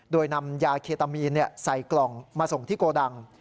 โดยนำยาเคตามีนใส่กล่องมาส่งที่โกดัง